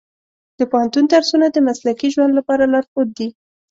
د پوهنتون درسونه د مسلکي ژوند لپاره لارښود دي.